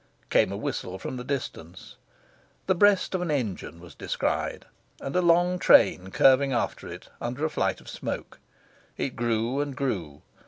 Came a whistle from the distance. The breast of an engine was descried, and a long train curving after it, under a flight of smoke. It grew and grew.